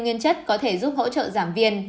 nguyên chất có thể giúp hỗ trợ giảm viêm